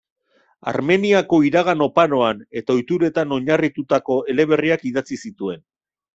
Armeniako iragan oparoan eta ohituretan oinarritutako eleberriak idatzi zituen.